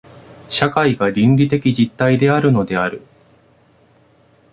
社会が倫理的実体であるのである。